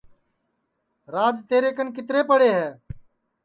راج تیرے کن کِترے پڑے ہے